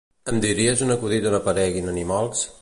Em diries un acudit on apareguin animals?